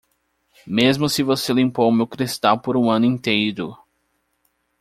Mesmo se você limpou meu cristal por um ano inteiro...